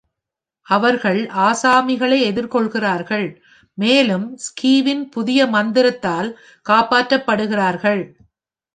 அவர்கள் ஆசாமிகளை எதிர்கொள்கிறார்கள், மேலும் ஸ்கீவின் புதிய மந்திரத்தால் காப்பாற்றப்படுகிறார்கள்.